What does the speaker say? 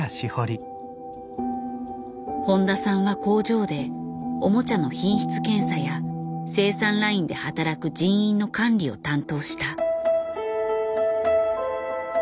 誉田さんは工場でおもちゃの品質検査や生産ラインで働く人員の管理を担当した。